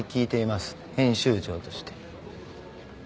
編集長として。